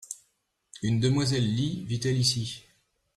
Une demoiselle Lee vit-elle ici ?